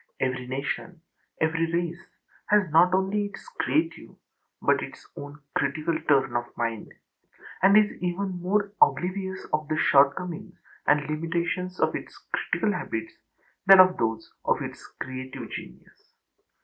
Every nation, every race, has not only its own creative, but its own critical turn of mind; and is even more oblivious of the shortcomings and limitations of its critical habits than of those of its creative genius.